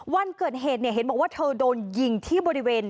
วันเกิดเหตุเนี่ยเห็นบอกว่าเธอโดนยิงที่บริเวณ